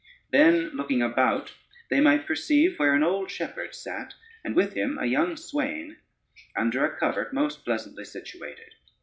Then, looking about, they might perceive where an old shepherd sat, and with him a young swaine, under a covert most pleasantly situated.